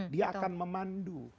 dia akan memandu